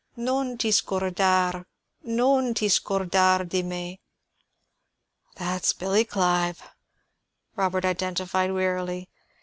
Non ti scordar non ti scordar di me _" "That is Billy Clive," Robert identified wearily.